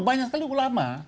banyak sekali ulama